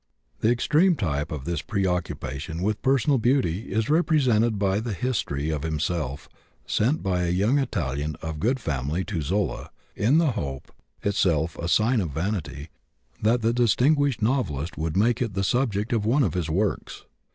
The extreme type of this preoccupation with personal beauty is represented by the history of himself sent by a young Italian of good family to Zola in the hope itself a sign of vanity that the distinguished novelist would make it the subject of one of his works.